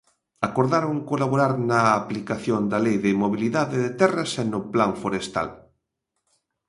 Acordaron colaborar na aplicación da Lei de mobilidade de terras e no plan forestal.